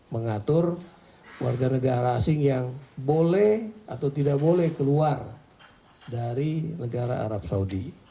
mengatur warga negara asing yang boleh atau tidak boleh keluar dari negara arab saudi